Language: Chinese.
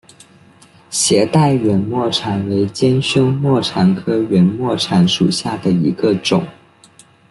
斜带圆沫蝉为尖胸沫蝉科圆沫蝉属下的一个种。